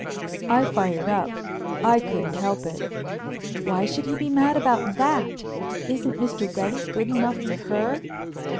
I fired up, I couldn't help it. "Why should he be mad about that? Isn't Mr. Reddy good enough for her?"